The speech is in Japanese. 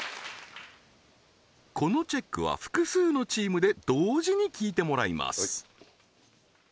このチェックは複数のチームで同時に聴いてもらいます